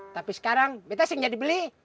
tapi sekarang beta sehingga dibeli